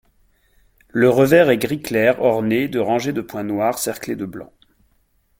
Le revers est gris clair orné, de rangées de points noirs cerclés de blanc.